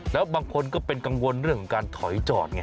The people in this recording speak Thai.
แล้วบางคนก็เป็นกังวลเรื่องของการถอยจอดไง